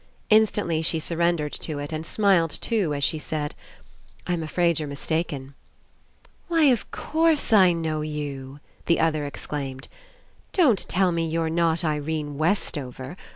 Instantly she surrendered to it and smiled too, as she said: "I'm afraid you're mis taken." "Why, of course, I know you !" the other exclaimed. "Don't tell me you're not Irene Westover.